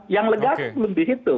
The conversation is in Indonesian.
yang ilegal itu